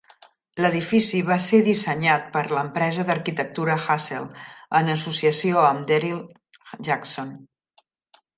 L'edifici va ser dissenyat per l'empresa d'arquitectura Hassell, en associació amb Daryl Jackson.